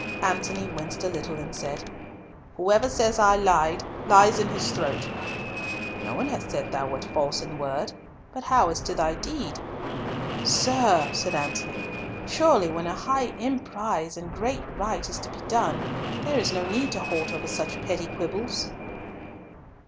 Antony winced a little, and said, "Whoever says I lied, lies in his throat." "No one hath said thou wert false in word, but how as to thy deed?" "Sir," said Antony, "surely when a high emprise and great right is to be done, there is no need to halt over such petty quibbles."